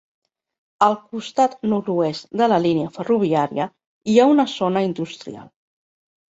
Al costat nord-oest de la línia ferroviària hi ha una zona industrial.